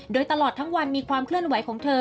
โดยตลอดทั้งวันมีความเคลื่อนไหวของเธอ